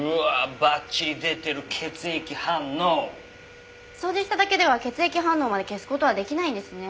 「ばっちり出てる血液反応」掃除しただけでは血液反応まで消す事は出来ないんですね。